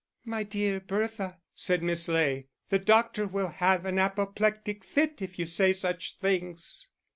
"My dear Bertha," said Miss Ley, "the doctor will have an apoplectic fit if you say such things."